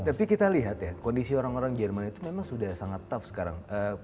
tapi kita lihat ya kondisi orang orang jerman itu memang sudah sangat tough sekarang